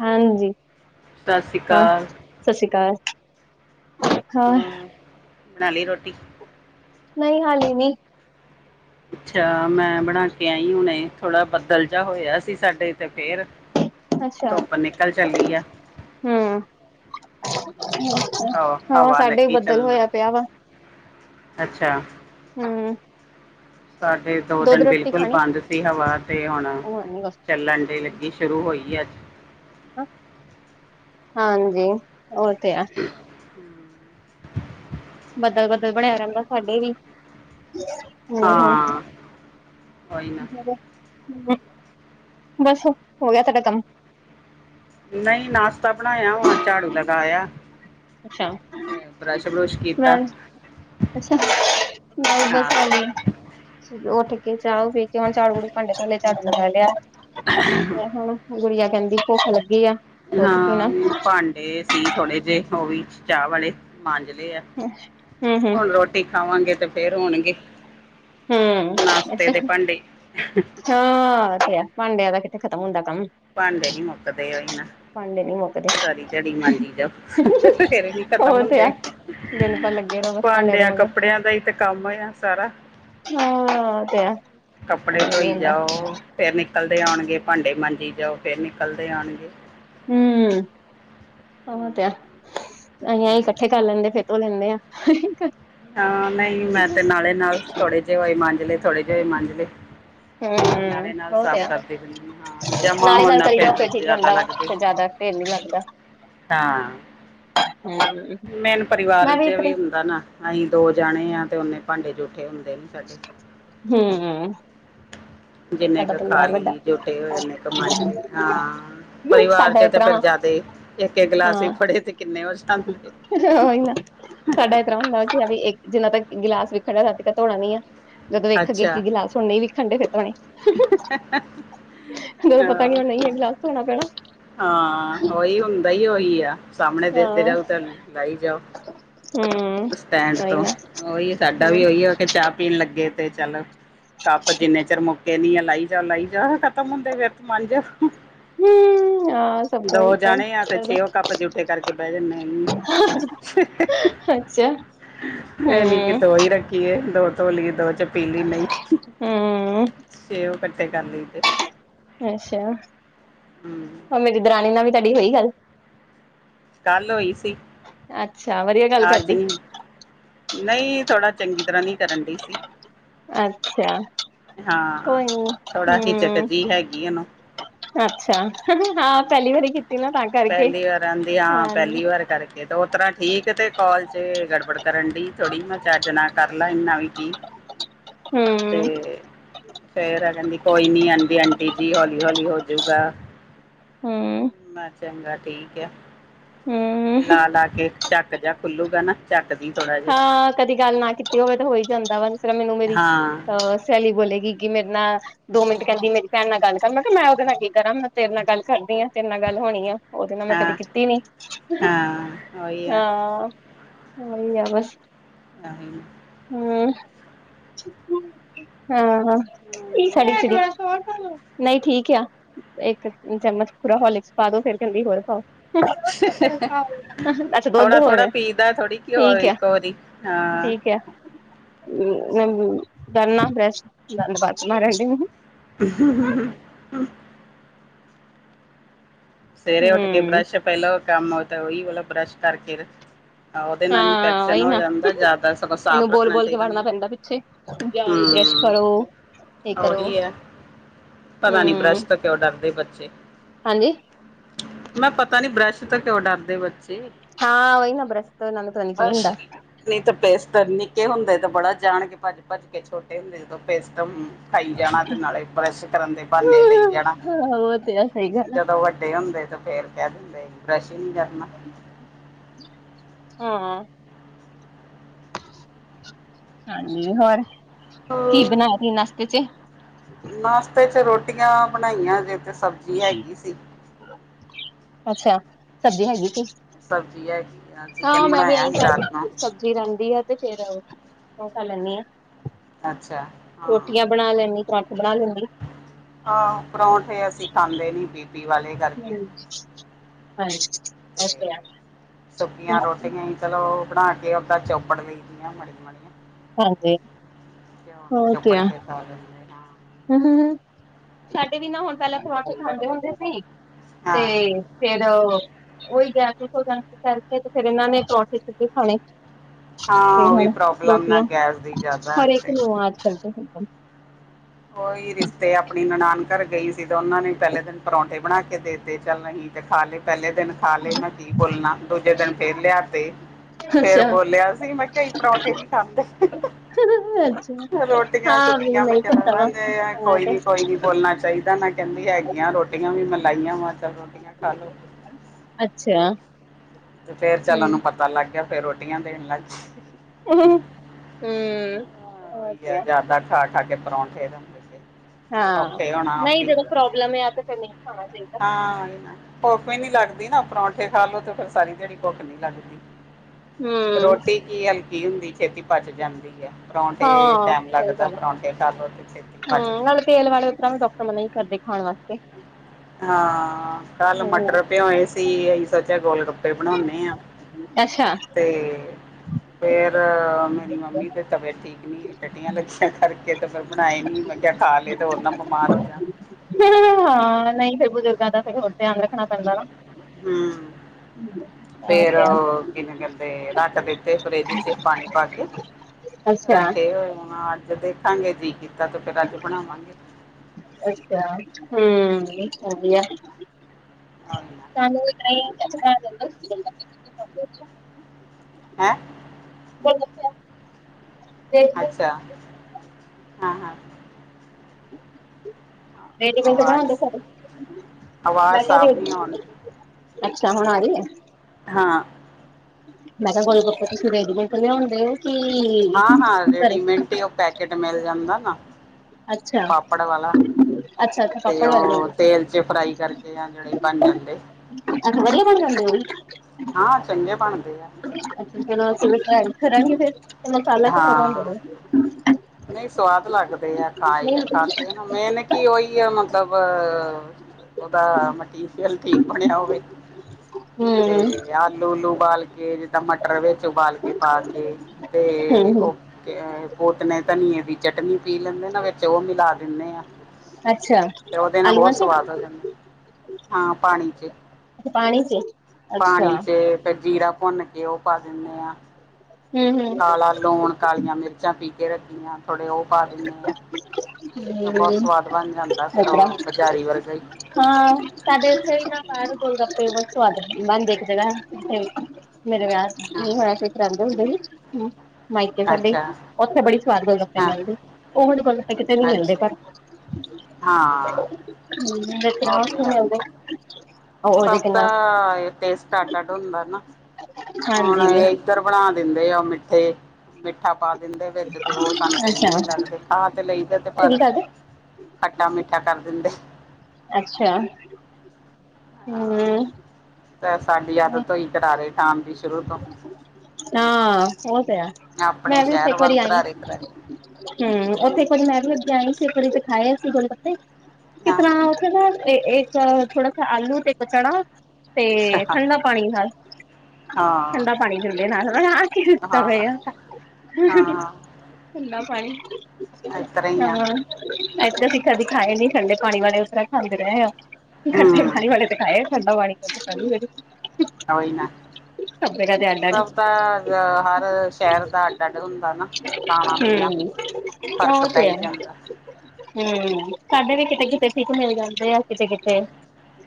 ਹਾਂਜੀ ਸਤਿ ਸ਼੍ਰੀ ਹਾਂ ਅਕਾਲ ਸਤਿ ਸ੍ਰੀ ਅਕਾਲ ਹੋਰ ਬਣਾਉਣ ਲਈ ਰੋਟੀ ਨਹੀਂ ਹਾਲੇ ਨਹੀਂ ਅੱਛਾ ਮੈਂ ਬਣਾ ਕੇ ਆਈ ਹੁਣੇ ਥੋੜਾ ਬਦਲ ਜਾਹਾ ਹੋਇਆ ਸੀ ਸਾਡੇ ਤੇ ਫਿਰ ਅੱਛਾ ਧੁੱਪ ਨਿਕਲ ਚੱਲੀ ਆ ਹਮ ਹ ਹਾਂ ਹਵਾ ਸਾਡੇ ਲੱਗੀ ਬੱਦਲ ਚੱਲਣ ਹੋਇਆ ਪਿਆ ਵਾ ਅੱਛਾ ਹਮ ਸਾਡੇ ਦੋ ਦੁੱਧ ਦਿਨ ਰੋਟੀ ਬਿਲਕੁਲ ਖਾਣੀ ਬੰਦ ਸੀ ਹਵਾ ਤੇ ਹੁਣ ਉਹ ਨੀ ਕੁਛ ਚੱਲਣ ਡ ਲੱਗੀ ਸ਼ੁਰੂ ਹੋਈ ਹੈ ਅੱਜ ਹਾਂਜੀ ਉਹ ਤੇ ਆ ਬੱਦਲ ਬੱਦਲ ਬਣਿਆ ਰਹਿੰਦਾ ਸਾਡੇ ਵੀ ਹਮ ਹਾਂ ਕੋਈ ਨਾ ਹੁਣ ਬਸ ਹੋ ਗਿਆ ਤੁਹਾਡਾ ਕੰਮ ਨਹੀਂ ਨਾਸ਼ਤਾ ਬਣਾਇਆ ਵਾ ਝਾੜੂ ਲਗਾਇਆ ਅੱਛਾ ਤੇ ਬਰੱਸ਼ ਬਰੁਸ਼ ਬ ਕੀਤਾ ਅੱਛਾ ਨਹੀਂ ਬਸ ਹਾਂ ਚ ਉਹਠੇ ਚਓ ਪੀ ਕੇ ਹੁਣ ਚਝਾੜੂ ਵੂੜੂ ਭਾਂਡੇ ਭਾਂਡੇ ਚਾੜੂੜ ਲੈ ਲਿਆ ਤੇ ਹੁਣ ਗੁੜੀਆਂ ਕਹਿੰਦੀ ਭੁੱਖ ਲੱਗੀ ਆ ਦੁੱਧ ਪੀਣਾ ਹਾਂ ਭਾਂਡੇ ਸੀ ਥੋੜੇ ਜਿਹੇ ਉਹ ਵੀ ਚਾਹ ਵਾਲੇ ਮਾਂਜ ਲ ਆ ਹਮ ਹਮ ਹੁਣ ਰੋਟੀ ਖਾਵਾਂਗੇ ਤੇ ਫਿਰ ਹੋਣਗੇ ਹਮ ਨਾਸ਼ਤੇ ਅੱਛਾ ਦੇ ਭਾਂਡੇ ਹਾਂ ਤੇ ਆ ਭਾਂਡਿਆਂ ਦਾ ਕਿੱਥੇ ਖਤਮ ਹੁੰਦਾ ਕੰਮ ਭਾਂਡੇ ਨੀ ਮੁੱਕਦੇ ਉਹੀ ਨਾ ਭਾਂਡੇ ਨੀ ਮੁੱਕਦੇ ਸਾਰੀ ਤੇੜੀ ਮਾਂਜੀ ਜਾਓ ਫੇਰੇ ਨੀ ਖਤਮ ਉਹ ਤੇ ਆ ਹੁੰਦੇ ਦਿਨ ਭਰ ਲੱਗੇ ਰਹੋ ਬਸ ਦੇ ਭਾਂਡਿਆਂ ਮਗਰ ਕੱਪੜਿਆਂ ਦਾ ਹੀ ਤੇ ਕੰਮ ਆ ਆ ਸਾਰਾ ਹਾਂ ਤੇ ਕੱਪੜੇ ਖਤਮ ਨੀ ਧੋਈ ਹੁੰਦਾ ਜਾਓ ਤੇ ਨ ਨਿਕਲਦੇ ਆਉਣਗੇ ਭਾਂਡੇ ਮੰਾਂਜੀ ਜਾਓ ਫਿਰ ਨਿਕਲਦੇ ਆਣਗੇ ਹਮ ਆ ਤੇ ਆ ਅਸੀਂ ਇਕੱਠੇ ਕਰ ਲੈਂਦੇ ਫਿਰ ਤੋਂ ਲੈਂਦੇ ਆ ਹਾਂ ਨਹੀਂ ਮੈਂ ਤੇ ਨਾਲੇ ਨਾਲ ਥੋੜੇ ਜਿਹੇ ਹੋ ਹੀ ਮੰਜ ਲਏ ਥੋੜੇ ਜਿ ਮੰਜ ਲਏ ਹੂੰ ਨਾਲੇ ਨਾਲ ਉਹ ਤੇ ਸਾਫ਼ ਆ ਕਰਦੇ ਹੁੰਦੇ ਹਾਂ ਜਮਾ ਨਾਲੇ ਹੋਣ ਨਾਲ ਨਾ ਫਿਰ ਜਿਆਦਾ ਲੱਗਦੇ ਨਹੀਂ ਲੱਗਦਾ ਹਾਂ ਹਮ ਮੈਨ ਪਰਿਵਾਰ ਦੇ ਵੀ ਹੁੰਦਾ ਨਾ ਅਸੀਂ ਦੋ ਜਾਣੇ ਆ ਤੇ ਓਨੇ ਭਾਂਡੇ ਜੂਠੇ ਹੁੰਦੇ ਨੇ ਸਾਡੇ ਹਮ ਜਿੰਨੇ ਕੁ ਖਾਲੀ ਜੂਠੇ ਹੋਏ ਨੇ ਕੁ ਮੰਜਲੇ ਹਾਂ ਪਰਿਵਾਰ ਸਾਡਾ ਚ ਇਸ ਤੇ ਤਰ੍ਹਾਂ ਫਿਰ ਵਾ ਜ਼ਿਆਦਾ ਇੱਕ ਇੱਕ ਗਲਾਸ ਵੀ ਹਾਂ ਫੜੇ ਤੇ ਕਿੰਨੇ ਹੋਟ ਨਾ ਸਾਡਾ ਇ ਤਰ੍ਹਾਂ ਹੁੰਦਾ ਵਾ ਯਾਰੀ ਇੱਕ ਜਿੰਨਾ ਤ ਗਿਲਾਸ ਵਿਖਣ ਰਾਤੀ ਧੋਣਾ ਨੀ ਆ ਜਦੋਂ ਵੇਖ ਅੱਗੇ ਕਿ ਗਲਾਸ ਹਣ ਨ ਵੀ ਖੰਡੇ ਫਿਰ ਧੋਣੇ [inaudible] ਜਦੋਂ ਪਤਾ ਕਿ ਉਹ ਨਹੀਂ ਹੈ ਗਿਲਾਸ ਧੋਣਾ ਪੈਣਾ ਹਾਂ-ਹਾਂ ਉਹੀ ਹੁੰਦਾ ਹੀ ਉਹੀ ਆ ਸਾਹਮਣੇ ਦੇਖਦੇ ਹਾਂ ਰਹੋ ਤਾਂ ਲਾਈ ਜਾਓ ਹਮ ਸਟੈਂਡ ਆਈ ਤੋਂ ਨਾ ਓਹੀ ਸਾਡਾ ਵੀ ਹਮ ਉਹੀ ਕੇ ਚਾਹ ਪੀਣ ਲੱਗੇ ਤੇ ਚੱਲ ਕੱਪ ਜਿੰਨੇ ਚਿਰ ਮੁੱਕ ਨੀ ਆ ਲਾਈ ਜਾਓ-ਲਾਈ ਜਾਓ ਖਤਮ ਹੁੰਦੇ ਫਿਰਤ ਮੰਨਜਓ ਹਮ ਹਾਂ ਸਭ ਦਾਹੀ ਕਰ ਕੱਪ ਜੂਠੇ ਕਰਕੇ ਬਹਿ ਜਾਂਦੇ ਈ। ਅੱਛਾ ਇਹ ਨੀ ਕਿ ਹਮ ਦੋ ਹੀ ਰੱਖੀਏ ਦੋ ਧੋਲੀਏ ਦੋ ਚ ਪੀਲੀ ਨਹੀਂ ਹਮ ਫਿਰ ਉਹ ਪਟੇ ਕਰ ਲਈ ਦੇ ਅੱਛਾ ਹਮ ਇਨਾ ਵੀ ਤੁਹਾਡੀ ਹੋਈ ਗੱਲ ਕੱਲ ਹੋਈ ਸੀ ਛ ਵਧੀਆ ਗੱਲ ਅੱਜ ਕਰਦੀ ਨੀ। ਨਹੀਂ ਥੋੜਾ ਚੰਗੀ ਤਰ੍ਹਾਂ ਨਹੀਂ ਕਰਨ ਡਈ ਸੀ ਅੱਛਾ ਹਾਂ। ਕੋਈ ਥੋੜਾ ਹਿਚਕ ਹਮ ਜਿਹੀ ਹੈਗੀ ਉਹਨੂੰ ਅੱਛਾ ਹਾਂ ਹੂੰ। ਪਹਿਲੀ ਵਾਰੀ ਕੀਤੀ ਨਾ ਤਾਂ ਕਰਕੇ ਪਹਿਲੀ ਵਾਰ ਆਦੀ ਹਾਂ ਪਹਿਲੀ ਹਾਂਜੀ ਵਾਰ ਕਰਕੇ ਤੋ ਤਰ੍ਹਾਂ ਠੀਕ ਤੇ ਕਾਲ ਚ ਗੜਬੜ ਕਰਨ ਦੀ ਥੋੜੀ ਮਸਾਜਣਾ ਕਰ ਲੇ ਨਵੀ ਕੀ ਤੇ ਹੂੰ ਫੇਰ ਆ ਕਹਿੰਦੀ ਕੋਈ ਨੀ ਆਂਦੀ ਆਂਟੀ ਜੀ ਹੌਲੀ-ਹੌਲੀ ਹੋਜੂਗਾ ਹਮ ਮੈਂ ਚੰਗਾ ਠੀਕ ਆ ਹਮ ਲਾ-ਲਾ ਕੇ ਚੱਕ ਜਾ ਖੁੱਲੂਗਾ ਨਾ ਚੱਕ ਦੀ ਹਾਂ ਕਦੀ ਗੱਲ ਨਾ ਕੀਤੀ ਹੋਵੇ ਤਾਂ ਹੋਈ ਜਾਂਦਾ ਵੇ ਮੈਨੂੰ ਨਾ ਮੇਰੀ ਹਾਂ ਅਹ ਸੇਲੀ ਬੋਲੇਗੀ ਕਿ ਮੇ ਨਾਲ ਦੋ ਮਿੰਟ ਕਹਿੰਦੀ ਮੇਰੀ ਭੈਣ ਨਾਲ ਮੈ ਗੱਲ ਕਰ ਲਾ ਕਿਹਾ ਮੈਂ ਉਹਦੇ ਨਾਲ ਕੀ ਕਰਾਂ ਮੈਂ ਤੇਰੇ ਨਾਲ ਗੱਲ ਕਰਨੀ ਹਾਂ ਤੇਰੇ ਨਾਲ ਗੱਲ ਹੋਣੀ ਆ ਉਹਦੇ ਨਾਲ ਮੈਂ ਕਦੀ ਹਾਂ ਕੀਤੀ ਨੀ ਹਾਂ ਉਹੀ ਆ ਹਾਂ ਹ ਇਹ ਆ ਬਸ [inaudible] [unintelligible] ਨਹੀਂ ਠੀਕ ਆ ਇੱਕ ਚਮਚ ਪੂਰਾ ਹੋਲੀਕਸ ਪਾ ਦੋ ਫਿਰ ਕਹਿੰਦੀ ਹੋਰ ਪਾਓਲੋ ਦੁੱਧ ਥੋੜਾ ਹੋਰ ਥੋੜਾ ਹੈ, ਪੀਦਾ ਥੋੜੀ ਕਿ ਠੀਕ ਹੈ ਇੱਕ ਵਾਰੀ ਹਾਂ ਠੀਕ ਹੈ ਮੈਨੂੰ ਗੰਨਾ ਫ ਦੰਨ ਪਾਤ ਮ ਰਿੰ ਹਮ ਹਮਮ ਸਵੇਰੇ ਉੱਠ ਕੇ ਹਮ ਬਰਸ਼ ਪਹਿਲਾਂ ਉਹ ਕੰਮ ਤਾਂ ਉਹੀ ਵਾਲਲ ਬਰਸ਼ ਕਰਕੇ ਉਹਦੇ ਨਾਲ ਹਾਂ, ਇਨਫੈਕਸ਼ਨ ਓਹੀ ਹੋ ਨਾ ਜਾਂਦਾ ਜ਼ਿਆਦਾ ਸਗੋਂ ਇਹਨੂੰ ਸਾਫ਼ ਰੱਖਣਾ ਬੋਲ-ਬੋਲ ਕੇ ਚਾਹੀਦਾ ਵੜਨਾ ਹਮ ਪੈਂਦਾ ਪਿੱਛੇ ਜਾ ਚੈੱਕ ਕਰੋ ਇਹ ਕਰੋ ਉਹੀ ਹੈ ਪਤਾ ਨੀ ਬਰੱਸ਼ ਹੂੰ ਤੋਂ ਕਿਉਂ ਡਰਦੇ ਬੱਚੇ ਹਾਂਜੀ ਮੈਂ ਪਤਾ ਨੀ ਬਰੱਸ਼ ਤੋਂ ਕਿਉਂ ਡਰਦੇ ਬੱਚੇ ਹਾਂ ਉਹੀ ਨਾ ਬਰੱਸ਼ ਤੋਂ ਪਤਾ ਨੀ ਕੀ ਬਸ ਹੁੰਦਾ ਨਹੀਂ ਤਾਂ ਪੇਸਟਰ ਨਿੱਕੇ ਹੁੰਦੇ ਤੇ ਬੜਾ ਜਾਣ ਕੇ ਭੱਜ-ਭੱਜ ਕੇ ਛੋਟੇ ਹੁੰਦੇ ਪਿਸਟ ਖਾਈ ਜਾਣਾ ਤੇ ਨਾਲੇ ਬਰੱਸ਼ ਕਰਨ ਦੇ ਬਹਾਨੇ ਲਈ ਜਾਣਾ ਹਾਂ ਉਹ ਤੇ ਹੈ ਸਹੀ ਗੱਲ ਆ। ਜਦੋਂ ਹੁੰਦੇ ਤੇ ਫੇਰ ਕਹਿ ਦਿੰਦੇ ਬਰੱਸ਼ ਹੀ ਨੀ ਕਰਨਾ ਹਾਂ ਹਾਂਜੀ, ਹੋਰ ਕੀ ਬਣਾਏਗੀ ਨਾਸ਼ਤੇ ਚ ਨਾਸ਼ਤੇ ਚ ਰੋਟੀਆਂ ਬਣਾਈਆਂ ਅਜੇ ਸਬਜ਼ੀ ਹੈਗੀ ਸੀ। ਅੱਛਾ ਸਬਜ਼ੀ ਹੈਗੀ ਸੀ। ਸਬਜ਼ੀ ਹੈਗੀ ਆ ਹਾਂ, ਚਿਕਨ ਮੈਂ ਵੀ ਬਣਾਇਆ ਆਈ ਸੀ ਰਾਤ ਨੂੰ ਕਰਦੀ ਸਬਜ਼ੀ ਰਹਿੰਦੀ ਆ ਤੇ ਫੇਰ ਓ ਓ ਖਾ ਲੈਣੀ ਆ। ਅੱਛਾ। ਹਾਂ, ਰੋਟੀਆਂ ਬਣਾ ਲੈਂਦੀ ਪਰਾਂਠੇ ਬਣਾ ਲੈਂਦੀ ਆਹੋ ਪਰੌਂਠੇ ਅਸੀਂ ਖਾਂਦੇ ਨੀ ਬੀ, ਵਾਲੇ ਕਰਕੇ ਹਾਂ। ਤੇ ਸੁੱਕੀਆਂ ਰੋਟੀਆਂ ਹੀ ਚਲੋ ਬਣਾ ਕੇ ਆਪਣਾ ਚੋਪੜ ਲਈ ਦਾ ਮੜੀ ਮੜੀ ਚੋਪੜ ਕੇ ਖਾ ਲੈਣੇ ਅ ਹੂੰ ਹੂੰ, ਸਾਡੇ ਵੀ ਨਾ ਹੁਣ ਪਹਿਲਾਂ ਪਰੌਠੇ ਖਾਂਦੇ ਹੁੰਦੇ ਸੀ ਤੇ ਹਾਂ ਫੇਰ ਉਹੀ ਗਿਆ ਹੋ ਜਾ ਕਰਕੇ ਤੇ ਫਿਰ ਇਹਨਾਂ ਨੇ ਪਰੌਠੇ ਚੰਗੇ ਖਾਣੇ। ਹਾਂ ਤੇ ਉਹ ਵੀ ਹੁਣ ਪ੍ਰੋਬਲਮ ਨਾ ਰੋਟੀਆਂ ਗੈਸ ਦੀ ਜ਼ਿਆਦਾ ਹਰੇਖ ਇੱਕ ਤੇ ਨੂੰ ਆਦਤ [unintelligible] [unintelligible] ਉਹੀ ਰਿਸ਼ਤੇ ਆਪਣੀ ਨਨਾਣ ਘਰ ਗਈ ਸੀ ਤੇ ਉਹਨਾਂ ਨੇ ਪਹਿਲੇ ਦਿਨ ਪਰੌਂਠੇ ਬਣਾ ਕੇ ਦੇਤੇ ਚੱਲ ਨਹੀਂ ਤੇ ਖਾ ਲੇ ਪਹਿਲੇ ਦਿਨ ਖਾ ਲਏ ਮੈਂ ਕੀ ਬੋਲਣਾ ਦੂਜੇ ਦਿਨ ਫੇਰ ਲਿਆਤੇ ਫੇਰ ਅੱਛਾ, ਬੋਲਿਆ ਸੀ ਮੈਂ ਕਈ ਪਰੌਂਠੇ ਨਹੀਂ ਖਾਂਦੇ। ਅੱਛਾ। ਰੋਟੀਆਂ ਹਾਂ ਮੈਨੂੰ ਸੁੱਕੀਆਂ ਮੈਂ ਨਹੀਂ ਕਿਹਾ ਪਤਾ ਲਾਂ ਵਾ ਦੇ ਹਾਂ ਕੋਈ ਤੇ ਨੀ ਕੋਈ ਨੀ ਬੋਲਣਾ ਚਾਹੀਦਾ ਮੈਂ ਕਹਿੰਦੀ ਹੈਗੀਆਂ। ਰੋਟੀਆਂ ਵੀ ਮੈਂ ਲਾਈਆਂ ਵਾ ਚੱਲ ਰੋਟੀਆਂ ਖਾਲੋ। ਅੱਛਾ ਤੇ ਫੇਰ ਚੱਲ ਹੂੰ। ਉਹਨੂੰ ਪਤਾ ਲੱਗ ਗਿਆ ਫੇਰ ਰੋਟੀਆਂ ਦੇਣ ਲੱਗ ਗਈ। ਹੂੰ। ਤੇ ਹੈ ਜ਼ਿਆਦਾ ਖਾ ਖ ਕੇ ਪਰੋਠੇ ਦਾ ਫਿਰ, ਹਾਂ ਔਖੇ ਹੋਣਾ ਆਪ ਨਹੀਂ ਹੀ ਜਦੋਂ ਪ੍ਰੋਬਲਮ ਆ ਤੇ ਫਿਰ ਨਹੀਂ ਖਾਣਾ ਚਾਹੀਦਾ। ਹਾਂ ਹੋਰ ਕੋਈ ਨੀ ਲਗਦੀ ਨਾ ਪਰੌਂਠੇ ਖਾ ਲੋ ਤੇ ਫਿਰ ਸਾਰੀ ਦਿਹਾੜੀ ਤੇ ਭੁੱਖ ਨੀ ਲੱਗਦੀ ਹਮ ਰੋਟੀ ਕੀਲ ਕੀ ਹੁੰਦੀ ਛੇਤੀ ਪਚ ਜਾਂਦੀ ਐ। ਹਾਂ, ਸਹੀ ਗੱਲ ਲੋ ਤੇ ਛੇਤੀ ਆ ਹੂੰ ਪਚਦੇ ਨੀ ਨਾਲੇ ਤੇਲ ਵਾਲੇ ਉਤਰ ਵੀ ਡਾਕਟਰ ਮਨਾ ਹੀ ਕਰਦੇ। ਖਾਣ ਵਾਸਤੇ ਹਾਂ, ਕੱਲ ਹੂੰ। ਮਟਰ ਪਿਉਏ ਸੀ ਅਸੀਂ ਸੋਚਿਆ ਗੋਲ ਗੱਪੇ ਬਣਾਉਣੇ ਆ। ਅੱਛਾ। ਤੇ ਫੇਰ ਮੇਰੀ ਮੰਮੀ ਦੀ ਤਬੀਅਤ ਠੀਕ। ਟੱਟੀਆਂ ਲੱਗੀਆਂ ਕਰਕੇ ਤੇ ਫਿਰ ਬਣਾਏ ਨੀ ਮੈਂ ਕਿਹਾ ਖਾ ਲਏ ਤੇ ਹੋਰ ਨਾ ਬਿਮਾਰ ਹੋ ਜਾਣ। ਹਾਂ, ਨਹੀਂ ਫਿਰ ਬਜ਼ੁਰਗਾਂ ਦਾ ਫਿਰ ਹੋਰ ਧਿਆਨ ਰੱਖਣਾ ਪੈਂਦਾ ਨਾ। ਹੂੰ। ਫੇਰ ਅੱਛਾ ਉਹ ਕਿਹਨੇ ਕਹਿੰਦੇ ਰੱਖ ਦਿੱਤੇ ਫਰਿੱਜ ਚ ਪਾਣੀ ਪਾ ਕੇ। ਰੱਖੇ ਹੋਏ ਹੁਣ ਅੱਜ ਦੇਖਾਂਗੇ ਜੀ ਕਿ ਅੱਛਾ ਹੂੰ। ਵਧੀਆ ਸਾਨੂੰ ਵੀ ਦਈ [unintelligible] ਹੈਂ ਅੱਛਾ ਹਾਂ- ਹਾਂ। ਰੇਡੀਮੇਡ ਆਵਾਜ਼ ਦਿਖਾ ਮੈਂ ਆਵਾਜ਼ ਕਿਹਾ ਰ ਸਾਫ਼ ਨਹੀਂ ਆਉਂਦੀ ਅੱਛਾ ਹੁਣ ਆ ਰਹੀ ਆ। ਹਾਂ। ਮੈਂ ਕਿਹਾ ਗੋਲ ਗੱਪਾ ਤੁਸੀ ਰੇਡੀਮੇਟ ਲਿਆਂਦੇ ਹੋ। ਕਿ ਹਾਂ -ਹਾਂ ਘਰੇ ਰੇਡੀਮੇਂਟ ਉਹ ਪੈਕੇਟ ਮਿਲ ਜਾਂਦਾ ਨਾ। ਅੱਛਾ ਪਾਪੜ ਵਾਲਾ ਅੱਛਾ ਅੱਛਾ ਤੇ ਪਾਪੜ ਵਾਲੇ ਉਹ ਬਣਦੇ ਤੇਲ 'ਚ ਫਰਾਈ ਕਰਕੇ ਆ ਜਿਹੜੇ ਬਣ ਜਾਂਦੇ। ਅੱਛਾ ਵਧੀਆ ਬਣ ਜਾਂਦੇ ਉਹ ਵੀ ਹਾਂ ਚੰਗੇ ਬਣਦੇ ਆ। ਚਲੋ ਅਸੀ ਵੀ ਟਰਾਈ ਕਰਾਂਗੇ ਫਿਰ ਫਿਰ, ਮਸਾਲਾ ਕਿੱਦਾਂ ਪਾਇਦੇ ਹਾਂ ਹੋ? ਬਈ ਆ ਖਾਈ ਲਾ, ਖਾਦੇ ਨਾ, ਮੇਨ ਕੀ ਉਹੀ ਹੈ। ਮਤਲਬ! ਉਹਦਾ ਮਟੀਰੀਅਲ ਠੀਕ ਬਣਿਆ ਹੋਵੇ, ਹਮ ਹਮ ਤੇ ਆਲੂ-ਉੱਲੂ ਉਬਾਲਕੇ ਜਿੱਦਾਂ ਮਟਰ ਵਿੱਚ ਉਬਾਲਕੇ ਪਾਕੇ ਅਤੇ, ਹਮ ਓਕੇ, ਐ ਕੋਟਣੇ ਤਾ ਨਹੀਂ ਧਨੀਏ ਦੀ ਚਟਨੀ ਪੀ ਲੈਂਦੇ ਨਾ, ਵਿੱਚ ਉਹ ਮਿਲਾ ਦਿੰਨੇ ਆ। ਅੱਛਾ ਤੇ, ਉਹਦੇ ਨਾਲ ਹੋਰ ਆਲੂਆਂ ਚ ਸਵਾਦ ਹੋ ਜਾਂਦਾ। ਹਾਂ। ਪਾਣੀ'ਚ ਅੱਛਾ ਪਾਣੀ'ਚ ਫੇਰ ਜੀਰਾ ਭੁੰਨ ਕੇ, ਉਹ ਪਾ ਦਿੰਨੇ ਆ। ਹਮ ਹਮ ਕਾਲਾ ਲੂਣ, ਕਾਲੀਆਂ ਮਿਰਚਾਂ ਪੀਹਕੇ ਰੱਖੀਆਂ, ਥੋੜੇ ਉਹ ਪਾ ਦਿੰਨੇ ਆ। ਬਹੁਤ ਹਮ ਸਵਾਦ ਬਣ ਜਾਂਦਾ ਫੇਰ, ਓਪਰਾ ਉਹ ਬਾਜ਼ਾਰੀ ਵਰਗਾ ਹੀ। ਹਾਂ। ਸਾਡੇ ਓਥੇ ਵੀ ਨਾ, ਬਾਹਰ ਗੋਲਗੱਪੇ ਬਹੁਤ ਸਵਾਦ ਬਨਦੇ ਹੈ। ਮੇਰੇ ਵਿਆਹ'ਚ ਹਾਂ ਆਈ ਹੋਇਆਂ ਜਿੱਥੇ ਰਹਿੰਦੇ ਹੁੰਦੇ ਸੀ। ਹੂੰ ਮਾਇਕੇ ਸਾਡੇ ਅੱਛਾ ਉੱਥੇ ਬੜੀ ਸਵਾਦ ਗੋਲ ਗੱਪੇ ਹਾਂ ਮਿਲਦੇ ਉਹ ਵਾਲੇ, ਗੋਲਗੱਪੇ ਕਿਤੇ ਨਹੀਂ ਮਿਲਦੇ ਅੱਛਾ ਪਰ, ਹਾਂ। ਉਹ ਤੇ ਹੈ ਹੂੰ। ਸਭ ਦਾ ਅਹ ਟੇਸਟ ਅੱਡ -ਅੱਡ ਹੁੰਦਾ ਨਾ। ਹੁਣ ਹਾਂਜੀ ਜੀ ਇੱਧਰ ਬਣਾ ਦਿੰਦੇ ਆ ਉਹ ਮਿੱਠੇ ਮਿੱਠਾ ਪਾ ਦਿੰਦੇ ਵਿੱਚ ਤੇ ਉਹ ਸਾਨੂੰ ਚੰਗੇ ਅੱਛਾ ਨਹੀਂ ਲੱਗਦੇ। ਖਾ ਤੇ ਲਈ ਦੇ ਤੇ ਤੁਸੀਂ ਕੀ ਪਰ ਕਰਦੇ ਖੱਟਾ -ਮਿੱਠਾ ਕਰ ਦਿੰਦੇ ਹੈ। ਅੱਛਾ। ਹਾਂ ਹਮ ਤੇ ਸਾਡੀ ਆਦਤ ਹੀ ਕਰਾਰੇ ਖਾਣ ਦੀ ਸ਼ੁਰੂ ਤੋਂ ਹਾਂ ਉਹ ਤੇ ਹੈਂ ਆਪਣੇ ਮੈਂ ਵੀ ਉੱਥੇ ਸ਼ਹਿਰ ਇੱਕ ਵਾਰੀ ਵੱਲ ਆਈ ਕਰਾਰੇ ਕਰਾਰੇ ਹੂੰ ਉੱਥੇ ਇੱਕ ਵਾਰੀ ਮੈਂ ਵੀ ਉੱਥੇ ਆਈ ਇੱਕ ਵਾਰੀ ਖਾਏ ਸੀ ਗੋਲ ਗੱਪੇ ਇੱਕ ਹਾਂ ਤਰ੍ਹਾਂ ਉੱਥੇ ਨਾ ਅਹ ਥੋੜਾ ਸਾ ਆਲੂ ਤੇ ਇੱਕ ਚਣਾ ਤੇ ਠੰਡਾ ਪਾਣੀ ਨਾਲ ਹਾਂ ਠੰਡਾ ਪਾਣੀ ਦਿੰਦੇ ਨਾਲ ਥੋੜਾ ਜਿਹਾ ਆ, ਕੀ, ਕੀੱਤਾ ਹਾਂ ਹੋਇਆ ਹੂੰ, ਹੂੰ। ਹਾਂ ਠੰਡਾ ਪਾਣੀ, ਹਾਂ। ਇਸ ਤਰ੍ਹਾਂ ਹੀ ਆ ਇਦਾਂ ਨਹੀਂ ਕਦੇ ਕਦੀ ਖਾਏ। ਕਹਿੰਦੀ ਠੰਡੇ ਪਾਣੀ ਵਾਲੇ ਉਸ ਤਰ੍ਹਾਂ ਖਾਂਦੇ ਰਹੇ ਆ, ਠੰਡੇ ਹੂੰ ਪਾਣੀ ਵਾਲੇ ਤਾਂ ਖਾਏ ਆ, ਠੰਡਾ ਪਾਣੀ। ਇੱਥੇ ਪਹਿਲੀ ਵਾਰੀ--ਕਦ- ਕਦੇ ਆੰਡ ਤਾਂ, ਹਰ ਸ਼ਹਿਰ ਦਾ ਅੱਡ- ਅੱਡ ਹੁੰਦਾ ਨਾ, ਖਾਣਾ, ਪੀਣਾ। ਹੂੰ ਫ਼ਰਕ ਉਹ ਤੇ ਪੈਈ ਹੈ ਜਾਂਦਾ। ਹੂੰ, ਸਾਡੇ ਵੀ ਕਿਤੇ- ਕਿਤੇ ਠੀਕ ਮਿਲ ਜਾਂਦੇ ਆ। ਕਿਤੇ- ਕਿਤੇ।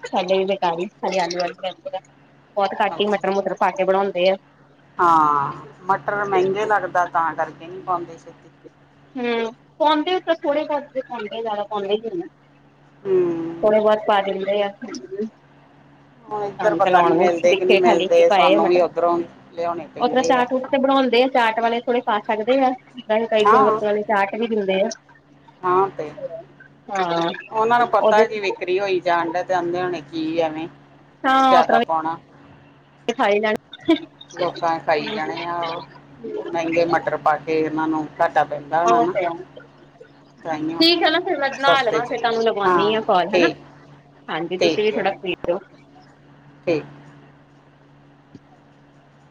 ਸਾਡੇ ਵੀ ਬੇਕਾਰੀ ਸਾਡੀ ਆਲੂ ਵਾਲੀ ਬਿਲਕੁਲ ਬਹੁਤ ਘੱਟ ਹੀ, ਅੱਛਾ ਮਟਰ-ਮੁਟਰ ਪਾਕੇ ਬਣਾਉਂਦੇ ਆ। ਹਾਂ। ਮਟਰ ਮਹਿੰਗੇ ਲੱਗਦਾ ਤਾਂ ਕਰਕੇ, ਨਹੀਂ ਪਾਉਂਦੇ ਛੇਤੀ। ਹੂੰ, ਪਾਉਂਦੇ ਆ ਤਾਂ ਥੋੜੇ, -ਘੱਟ ਪਾਉਂਦੇ ਜ਼ਿਆਦਾ ਪਾਉਂਦੇ ਹੀ ਨਹੀਂ। ਹਮ ਥੋੜਾ ਬਹੁਤ ਪਾ ਦਿੰਨੇ ਆ। ਹੁਣ ਤਾਂ ਇੱਧਰ ਪਤਾ ਨੀ ਲਾਉਣ ਨੂੰ ਮਿਲਦੇ ਕਿ ਨਹੀਂ ਦੇਖੇ ਖਾਲੀ ਚ ਮਿਲਦੇ ਪਾਏ ਆ ਸਾਨੂੰ ਵੀ ਮਟਰ ਉੱਧਰੋਂ ਲਿਆਉਣੇ ਓ ਤਰ ਪੈਂਦੇ ਆ ਚਾਟ ਚੂਟ ਤੇ ਬਣਾ। [unintelligible] ਹੁੰਦੇ ਆ ਚਾਟ ਵਾਲੇ ਥੋੜੇ ਪਾ ਸਕਦੇ ਆ। ਤਾਂ ਕਈ ਗੋਲ ਹਾਂ ਗੱਪੇ ਵਾਲੇ ਚਾਟ ਵੀ ਦਿੰਦੇ ਆ। ਹਾਂ ਤੇ ਹਾਂ ਉਹਨਾਂ ਨੂੰ ਪਤਾ ਉਹਦੇ ਕੀ ਵਿਕਰੀ ਹੋਈ ਜਾਣ ਡੇ ਤੇ ਆਂਦੇ ਹੋਣੇ ਕੀ ਐਵੇਂ। ਜਿਆਦਾ ਪਾਉਣਾ। ਤੇ ਸਾਰੇ ਜਾਣੇ। ਲੋਕਾਂ ਖਾਈ ਜਾਣੇ ਆ ਉਹ ਮਹਿੰਗੇ ਮਟਰ ਪਾ ਕੇ ਇਹਨਾਂ ਨੂੰ ਘਾਟਾ ਪੈਂਦਾ ਹੋਣਾ ਉਹ ਨਾ। ਤੇ ਹੈ ਤਾਂਹੀਓ ਠੀਕ ਹੈ ਨਾ ਫਿਰ ਮੈਂ ਨਹਾ ਲਵਾਂ ਫਿਰ ਤੁਹਾਨੂੰ ਲਵਾਉਂਦੀ ਆ ਕਾਲ ਹਨਾ। ਹਾਂਜੀ। ਤੁਸੀਂ ਵੀ ਥੋੜਾ ਫ੍ਰੀ ਹੋ ਜਾਊ ਠੀਕ [inaudible]